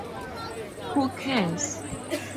Who cares!